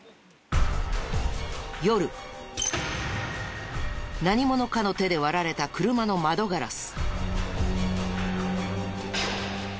夜何者かの手で割られた車の窓ガラス。